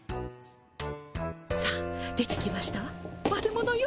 さあ出てきましたわ悪者よ！